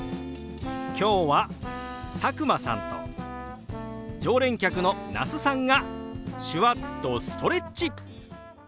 今日は佐久間さんと常連客の那須さんが手話っとストレッチ！